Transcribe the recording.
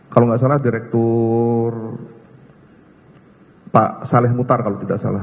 kalau nggak salah direktur pak saleh mutar kalau tidak salah